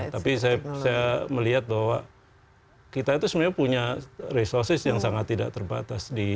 tapi saya melihat bahwa kita itu sebenarnya punya resources yang sangat tidak terbatas